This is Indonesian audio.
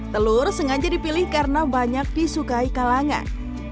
telur sengaja dipilih karena banyak disukai kalangan